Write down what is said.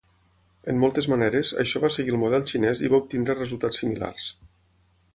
En moltes maneres, això va seguir el model xinès i va obtenir resultats similars.